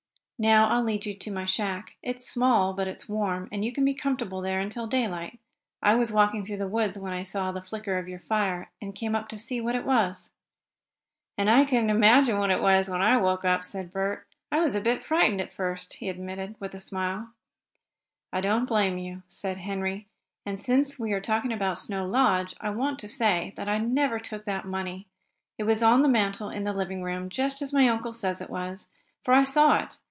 Now I'll lead you to my shack. It's small, but it's warm, and you can be comfortable there until daylight. I was walking through the woods, when I saw the flicker of your fire, and came up to see what it was." "And I couldn't imagine what it was I heard when I woke up," said Bert. "I was a bit frightened at first," he admitted, with a smile. "I don't blame you," said Henry. "And, since we are talking about Snow Lodge, I want to say that I never took that money. It was on the mantel in the living room, just as my uncle says it was, for I saw it.